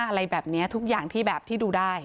อะไรแบบนี้ทุกอย่างที่แบบที่ดูได้